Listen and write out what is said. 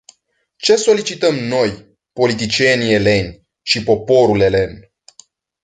Ce solicităm noi, politicienii eleni, și poporul elen?